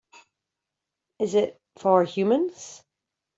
Is it for humans?